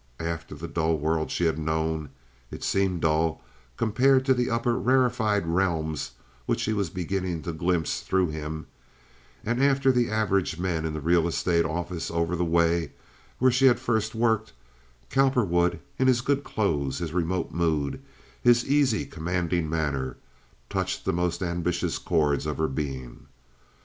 After the dull world she had known—it seemed dull compared to the upper, rarefied realms which she was beginning to glimpse through him—and after the average men in the real estate office over the way where she had first worked, Cowperwood, in his good clothes, his remote mood, his easy, commanding manner, touched the most ambitious chords of her being.